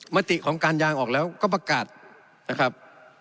มติของการยางออกแล้วก็ประกาศนะครับ